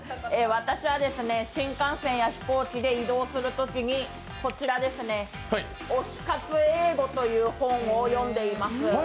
私は新幹線や飛行機で移動するときにこちら、「推し活英語」という本を読んでいます。